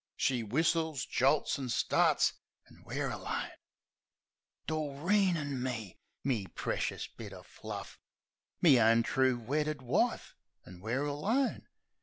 She whistles, jolts, an' starts ... An' we're alone! Doreen an' me I My precious bit o' fluff ! Me own true weddid wife !... An' we're alone